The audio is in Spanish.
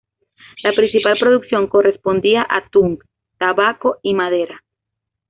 La principal producción correspondía a tung, tabaco y madera.